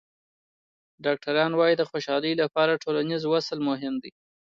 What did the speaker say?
ډاکټران وايي د خوشحالۍ لپاره ټولنیز وصل مهم دی.